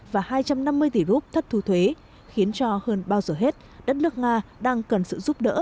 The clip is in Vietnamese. và hai trăm năm mươi tỷ rup thất thu thuế khiến cho hơn bao giờ hết đất nước nga đang cần sự giúp đỡ